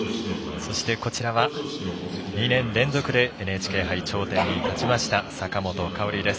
そしてこちらは、２年連続でＮＨＫ杯頂点に立ちました坂本花織です。